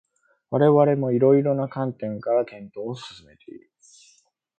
我々も色々な観点から検討を進めている